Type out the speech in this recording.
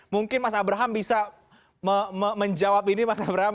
mungkin mas abraham bisa menjawab ini mas abraham